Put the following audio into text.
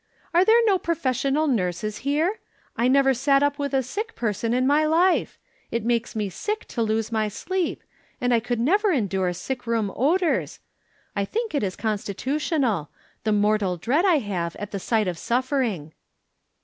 " Are there no profes sional nurses here ? I never sat up with a sick person in my life ! It makes me sick to lose my sleep, and I could never endure sick room odors. I think it is constitutional — the mortal dread I have at the sight of suffering."